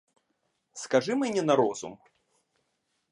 Скажи мені на розум!